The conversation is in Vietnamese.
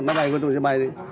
máy bay với tôi sẽ bay đi